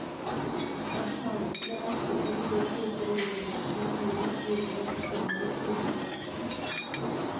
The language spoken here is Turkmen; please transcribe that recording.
Tapawutly aslymyz we tejribelerimiz birek-birege düşünmek üçin böwet bolmasyn.